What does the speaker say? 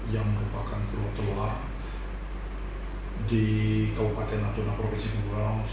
yang merupakan perut teruak di kabupaten natuna provinsi kepulauan